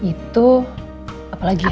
itu apa lagi ya